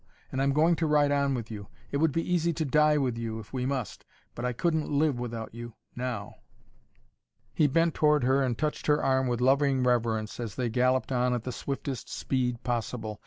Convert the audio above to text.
And I'm going to ride on with you. It would be easy to die with you, if we must but I couldn't live without you, now." He bent toward her and touched her arm with loving reverence as they galloped on at the swiftest speed possible.